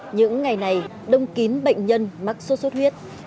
những ngày này đông kín bệnh nhân mắc sốt xuất huyết